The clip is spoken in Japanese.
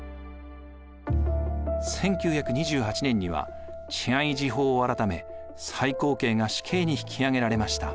１９２８年には治安維持法を改め最高刑が死刑に引き上げられました。